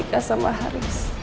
aku berjanji sama haris